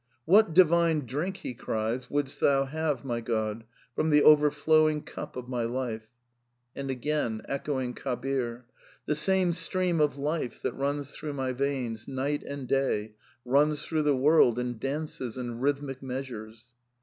'' "What divine drink," he cries, "would'st thou have, my God, from the overflowing cup of my life ?" And again, echoing Kabir :" The same stream of life that runs through my veins night and day runs through the world and dances in rhythmic meas ures.